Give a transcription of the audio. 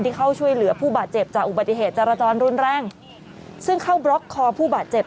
เข้าช่วยเหลือผู้บาดเจ็บจากอุบัติเหตุจรจรรุนแรงซึ่งเข้าบล็อกคอผู้บาดเจ็บ